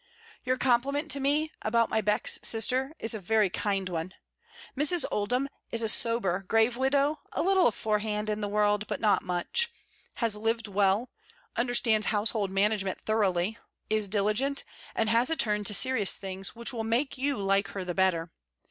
Your compliment to me, about my Beck's sister, is a very kind one. Mrs. Oldham is a sober, grave widow, a little aforehand, in the world, but not much; has lived well; understands house hold management thoroughly; is diligent; and has a turn to serious things, which will make you like her the better.